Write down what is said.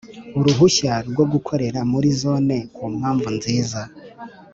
uruhushya rwo gukorera muri Zone Ku mpamvu nziza